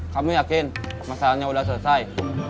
kamu yakin masalahnya udah selesai